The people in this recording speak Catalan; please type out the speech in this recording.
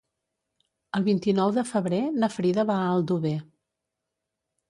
El vint-i-nou de febrer na Frida va a Aldover.